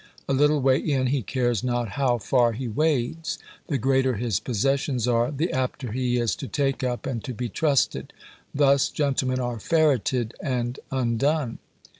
A little way in, he cares not how far he wades; the greater his possessions are, the apter he is to take up and to be trusted thus gentlemen are ferretted and undone!"